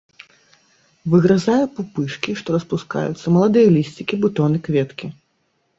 Выгрызае пупышкі, што распускаюцца, маладыя лісцікі, бутоны, кветкі.